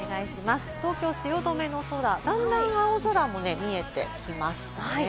東京・汐留の空、だんだん青空も見えてきましたね。